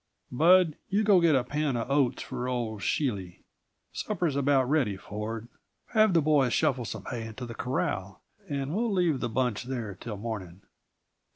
Bud, you go get a pan of oats for old Schley. Supper's about ready, Ford. Have the boys shovel some hay into the corral, and we'll leave the bunch there till morning.